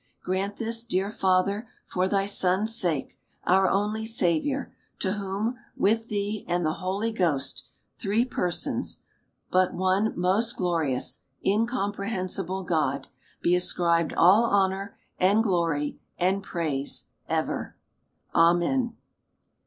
Grant this, dear Father, for thy Son's sake, our only Saviour : to whom, with thee and the Holy Ghost, — three persons, but one most glorious, incomprehensible God, — be ascribed all honor, and glory, and praise, ever. Amen.